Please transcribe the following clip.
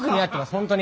本当に。